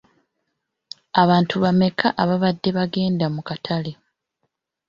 Abantu bammeka abaabadde bagenda mu katale?